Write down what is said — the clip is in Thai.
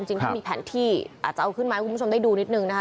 จริงถ้ามีแผนที่อาจจะเอาขึ้นมาให้คุณผู้ชมได้ดูนิดนึงนะคะ